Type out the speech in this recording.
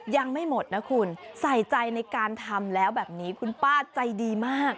ยังไม่หมดนะคุณใส่ใจในการทำแล้วแบบนี้คุณป้าใจดีมาก